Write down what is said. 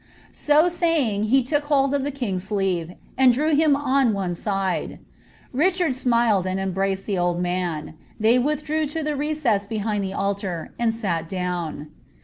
So saying, he look hold of the king's sleeve, and drew him on om Kidc Kichard smiled, and embraced the old man. They withdreS IC the recess behind the altar, and sat down.